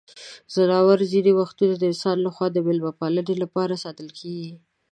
ځناور ځینې وختونه د انسانانو لخوا د مېلمه پالنې لپاره ساتل کیږي.